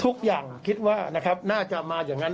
ทุกอย่างรู้สึกว่าน่าจะมาอย่างนั้น